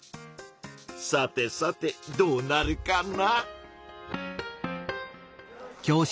さてさてどうなるかな？